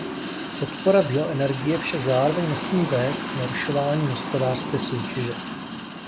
Podpora bionenergie však zároveň nesmí vést k narušování hospodářské soutěže.